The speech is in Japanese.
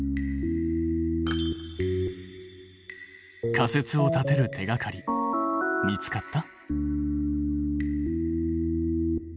仮説を立てる手がかり見つかった？